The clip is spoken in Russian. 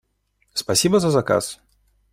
Спасибо за заказ!